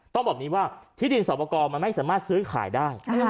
ต้องแบบนี้ว่าที่ดินสอบประกอบมันไม่สามารถซื้อขายได้